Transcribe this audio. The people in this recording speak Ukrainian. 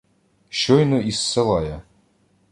— Щойно із села я.